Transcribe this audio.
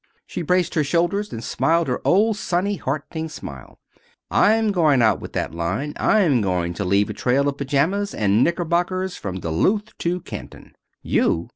She braced her shoulders, and smiled her old sunny, heartening smile. "I'm going out with that line. I'm going to leave a trail of pajamas and knickerbockers from Duluth to Canton." "You!